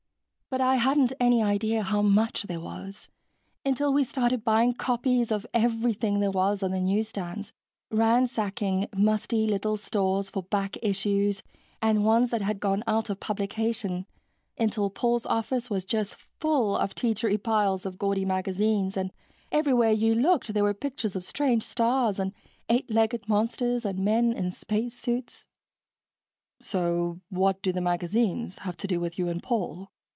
But I hadn't any idea how much there was, until we started buying copies of everything there was on the news stands, and then ransacking musty little stores for back issues and ones that had gone out of publication, until Paul's office was just full of teetery piles of gaudy magazines and everywhere you looked there were pictures of strange stars and eight legged monsters and men in space suits." "So what do the magazines have to do with you and Paul?"